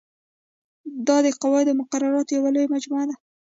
دا د قواعدو او مقرراتو یوه لویه مجموعه ده.